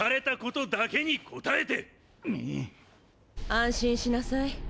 安心しなさい。